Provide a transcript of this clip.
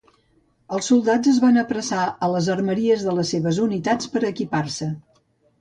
Els soldats es van apressar a les armeries de les seves unitats per equipar-se.